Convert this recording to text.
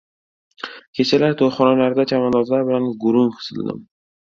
Kechalari to‘yxonalarda chavandozlar bilan gurung sildim.